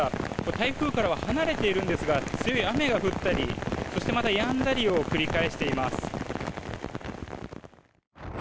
台風からは離れているんですが強い雨が降ったりまたやんだりを繰り返しています。